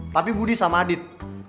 tapi budi sama adit